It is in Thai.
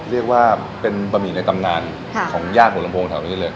ที่เรียกว่าเป็นปะหมี่ในตำนานค่ะของย่างหัวลำโพงเหมือนเนี้ยเลิก